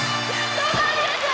どうもありがとう。